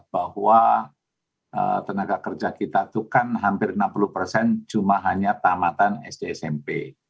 bahwa tenaga kerja kita itu kan hampir enam puluh persen cuma hanya tamatan sd smp